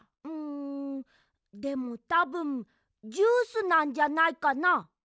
うんでもたぶんジュースなんじゃないかな？